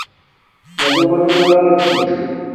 مجݳ مَجَنݳ رݳ چھݵس.